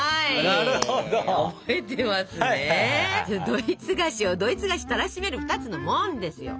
ドイツ菓子をドイツ菓子たらしめる２つの「モン」ですよ。